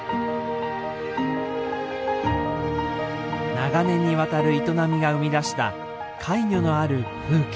長年にわたる営みが生み出したカイニョのある風景。